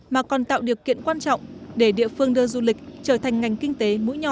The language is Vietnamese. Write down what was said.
mà còn tạo điều kiện quan trọng để địa phương đưa du lịch trở thành ngành kinh tế mũi nhọn